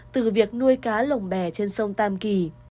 từ việc nuôi cá lồng bè trên sông tam kỳ